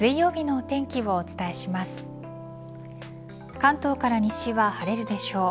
関東から西は晴れるでしょう。